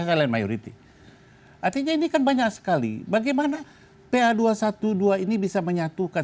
ya saya kalian mayoriti artinya ini kan banyak sekali bagaimana pa dua ratus dua belas ini bisa menyatukan